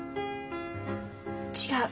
違う。